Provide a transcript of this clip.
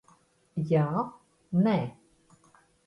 Jā. Nē.